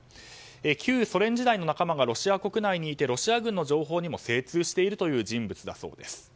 旧ソ連時代の仲間がロシア国内にいてロシア軍の情報にも精通しているという人物だそうです。